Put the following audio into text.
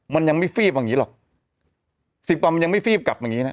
มันยังไม่ฟีบอย่างงี้หรอกสิบวันมันยังไม่ฟีบกลับมาอย่างงี้นะ